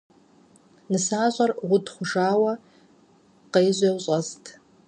НысащӀэр уд хъужауэ къежьэу щыст.